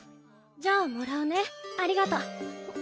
じゃあもらうねありがとう。